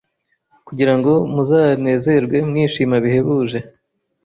kugira ngo muzanezerwe mwishima bihebuje,